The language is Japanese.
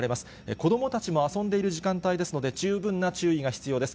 子どもたちも遊んでいる時間帯ですので、十分な注意が必要です。